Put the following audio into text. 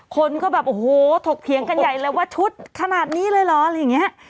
คนก็แบบโอ้โหถกเถียงกันใหญ่เลยว่าชุดขนาดนี้เลยเหรออะไรอย่างนี้